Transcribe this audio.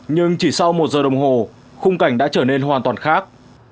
nhưng chỉ sau một giờ đồng hồ khung cảnh đã trở nên hoàn toàn khác